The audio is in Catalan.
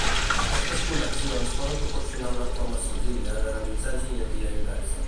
Aquestes connexions poden proporcionar una forma senzilla de realitzar enginyeria inversa.